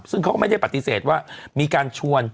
ซึ่งเขาก็ไม่ได้ปฏิเสธว่ามีการชวน